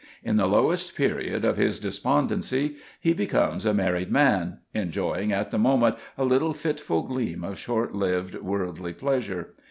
In the lowest period of his despondency he becomes a married man enjoying at the moment a little fitful gleam of shortlived worldly pleasure.